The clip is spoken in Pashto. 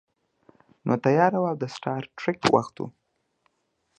نو تیاره وه او د سټار ټریک وخت و